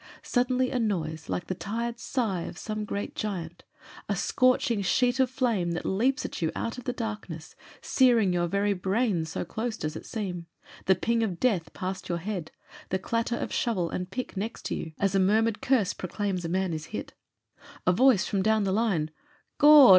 Suddenly a noise like the tired sigh of some great giant, a scorch ing sheet of flame that leaps at you out of the dark ness, searing your very brain, so close does it seem; the ping of death past your head ; the clatter of shovel and pick next you as a muttered curse proclaims a man is hit ; a voice from down the line : "Gawd